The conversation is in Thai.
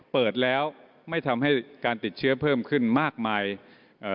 เปิดแล้วไม่ทำให้การติดเชื้อเพิ่มขึ้นมากมายเอ่อ